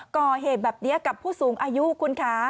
ก่อเหตุแบบนี้กับผู้สูงอายุคุณคะ